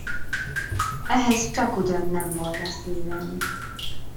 Ehhez csakugyan nem volna szívem.